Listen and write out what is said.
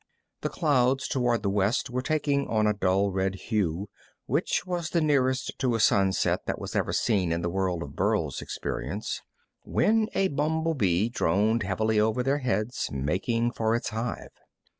The clouds toward the west were taking on a dull red hue, which was the nearest to a sunset that was ever seen in the world of Burl's experience, when a bumble bee droned heavily over their heads, making for its hive.